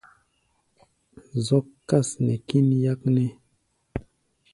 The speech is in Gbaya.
Zɔ́k kâs nɛ kín yáknɛ́.